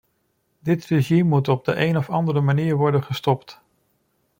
Dit regime moet op een of andere manier worden gestopt.